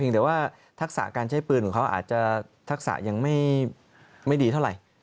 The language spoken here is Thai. แต่ว่าทักษะการใช้ปืนของเขาอาจจะทักษะยังไม่ดีเท่าไหร่